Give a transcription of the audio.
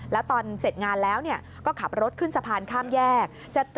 แล้วตอนเสร็จงานแล้วก็ขับรถขึ้นสะพานข้ามแยก